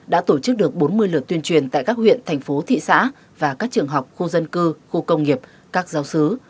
đã tổ chức được bốn mươi lượt tuyên truyền tại các huyện thành phố thị xã và các trường học khu dân cư khu công nghiệp các giáo sứ